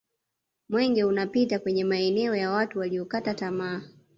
mwenge unapita kwenye maeneo ya watu waliyokata tama